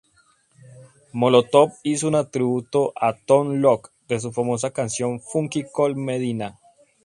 Molotov hizo un tributo a Tone loc de su famosa canción Funky cold medina